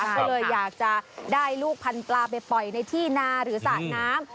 ก็เลยอยากจะได้ลูกพันปลาไปปล่อยในที่นาหรือสระน้ำ